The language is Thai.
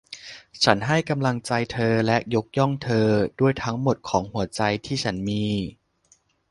ฉันให้กำลังใจเธอและยกย่องเธอด้วยทั้งหมดของหัวใจที่ฉันมี